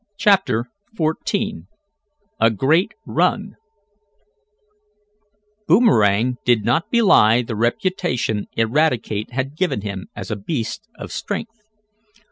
CHAPTER XIV A GREAT RUN Boomerang did not belie the reputation Eradicate had given him as a beast of strength.